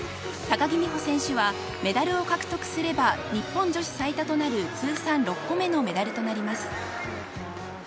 高木美帆選手はメダルを獲得すれば、日本女子最多となる通算６個目のメダルとなります。